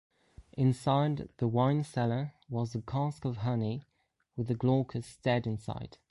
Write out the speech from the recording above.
Inside the wine-cellar was a cask of honey, with Glaucus dead inside.